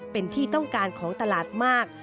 เป็นที่ต้องการของตลาดมาก